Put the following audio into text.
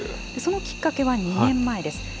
そのきっかけは２年前です。